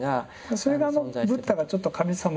それがブッダがちょっと神様。